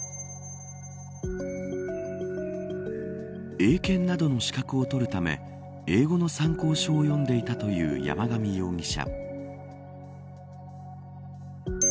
英検などの資格を取るため英語の参考書を読んでいたという山上容疑者。